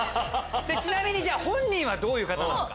ちなみに本人はどういう方なのか？